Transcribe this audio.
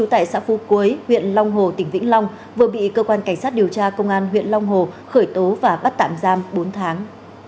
tại xã phú quế huyện long hồ tỉnh vĩnh long vừa bị cơ quan cảnh sát điều tra công an huyện long hồ khởi tố và bắt tạm giam bốn tháng